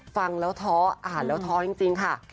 ฟังแล้วท้ออ่านแล้วท้อจริงค่ะ